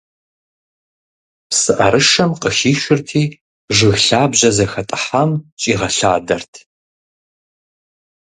ПсыӀэрышэм къыхишырти, жыг лъабжьэ зэхэтӀыхьам щӀигъэлъадэрт.